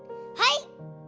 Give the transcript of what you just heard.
はい！